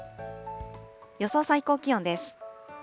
予想最高気温です。